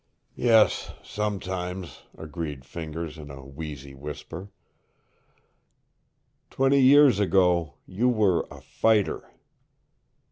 "Yes, sometimes," agreed Fingers in a wheezy whisper. "Twenty years ago you were a fighter."